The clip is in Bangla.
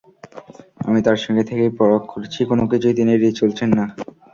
আমি তাঁর সঙ্গে থেকে পরখ করছি কোনো কিছুই তিনি এড়িয়ে চলছেন না।